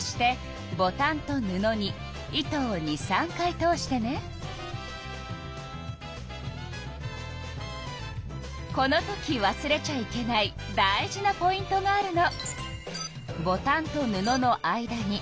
そしてこのときわすれちゃいけない大事なポイントがあるの。